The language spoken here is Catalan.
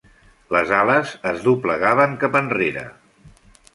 Les ales es doblegaven cap enrere.